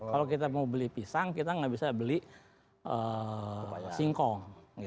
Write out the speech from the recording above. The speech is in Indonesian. kalau kita mau beli pisang kita nggak bisa beli singkong